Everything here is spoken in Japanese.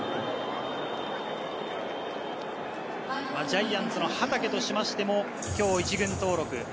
ジャイアンツの畠としても今日１軍登録。